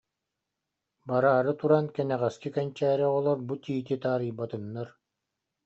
Бараары туран: «Кэнэҕэски кэнчээри оҕолор бу тиити таарыйбатыннар